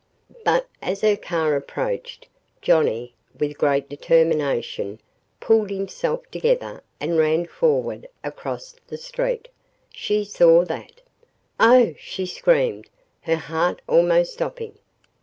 But as her car approached, Johnnie, with great determination, pulled himself together and ran forward across the street. She saw that. "Oh!" she screamed, her heart almost stopping.